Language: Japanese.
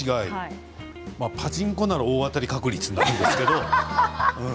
パチンコなら大当たり確率なんですけれども。